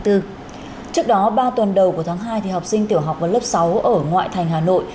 trước đó ba tuần đầu của tháng hai học sinh tiểu học và lớp sáu ở ngoại thành hà nội